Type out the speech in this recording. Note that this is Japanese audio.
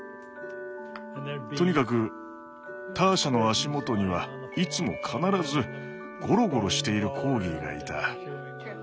とにかくターシャの足元にはいつも必ずごろごろしているコーギーがいた。